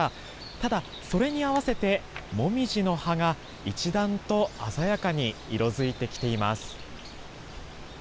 ただ、それに合わせて、もみじの葉が一段と鮮やかに色づいてきています。